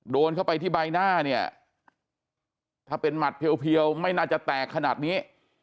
โดนเข้าไปที่ใบหน้าเนี่ยถ้าเป็นหมัดเพียวไม่น่าจะแตกขนาดนี้